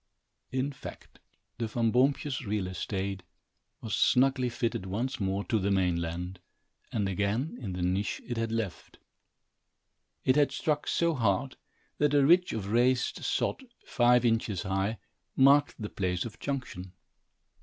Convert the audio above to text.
In fact, the Van Boompjes real estate was snugly fitted once more to the mainland, and again in the niche it had left. It had struck so hard, that a ridge of raised sod, five inches high, marked the place of junction.